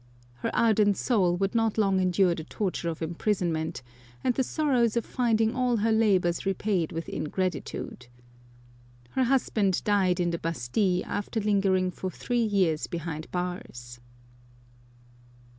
Her ardent soul would not long endure the torture of imprisonment, and the sorrows of finding all her labours repaid with in gratitude. Her husband died in the Bastille after lingering for three years behind bars.